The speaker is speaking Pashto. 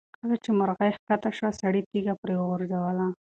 کله چې مرغۍ ښکته شوه، سړي تیږه پرې وغورځوله.